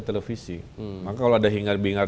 televisi maka kalau ada hingar bingar